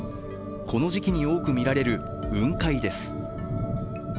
この時期に多く見られる雲海です。